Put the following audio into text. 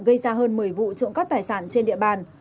gây ra hơn một mươi vụ trộm cắp tài sản trên địa bàn